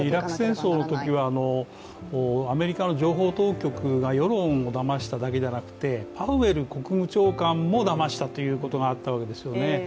イラク戦争のときはアメリカの情報当局が世論をだましただけではなくてパウエル国務長官もだましたということがあったわけですよね。